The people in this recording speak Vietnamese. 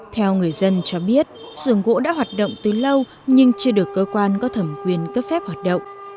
theo người dân cho biết sưởng gỗ đã hoạt động từ lâu nhưng chưa được cơ quan có thẩm quyền cấp phép hoạt động